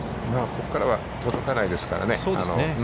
ここからは届かないですからね。